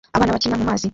Abana bakina mumazi